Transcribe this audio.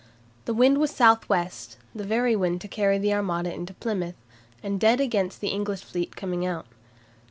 The wind was south west, the very wind to carry the Armada into Plymouth, and dead against the English fleet coming out.